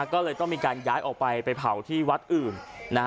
ก็เลยต้องมีการย้ายออกไปไปเผาที่วัดอื่น